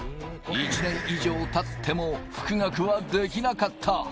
１年以上たっても復学はできなかった。